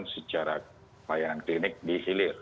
secara layanan klinik di hilir